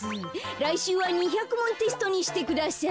らいしゅうは２００もんテストにしてください。